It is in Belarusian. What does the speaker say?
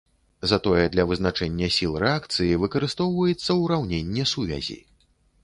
Затое для вызначэння сіл рэакцыі выкарыстоўваецца ураўненне сувязі.